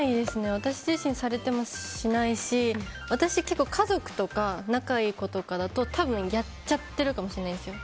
私自身されてもしないし私、結構家族とか仲いい子とかだと多分、やっちゃってるかもしれないんですよ。